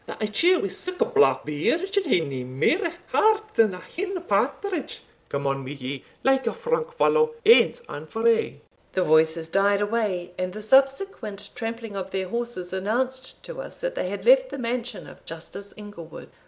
that a chield wi' sic a black beard should hae nae mair heart than a hen partridge! Come on wi' ye, like a frank fallow, anes and for aye." The voices died away, and the subsequent trampling of their horses announced to us that they had left the mansion of Justice Inglewood.